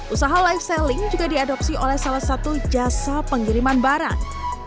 usaha live selling juga diadopsi oleh salah satu jasa pengiriman barang